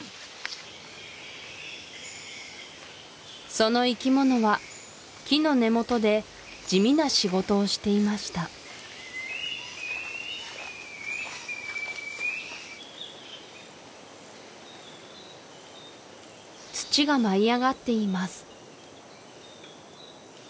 その生き物は木の根元で地味な仕事をしていました土が舞い上がっています